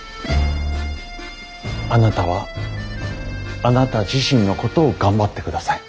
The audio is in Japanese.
あなたはあなた自身のことを頑張ってください。